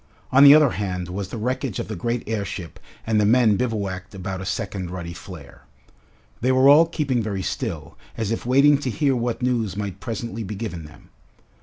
On the other hand was the wreckage of the great airship and the men bivouacked about a second ruddy flare. They were all keeping very still, as if waiting to hear what news might presently be given them.